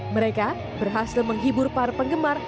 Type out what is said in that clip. mereka berhasil menghibur para penggemar